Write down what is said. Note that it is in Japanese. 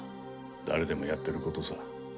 誰でもやってることさ。